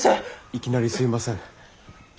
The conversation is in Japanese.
いきなりすみません。